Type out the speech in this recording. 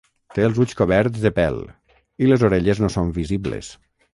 Té els ulls coberts de pèl i les orelles no són visibles.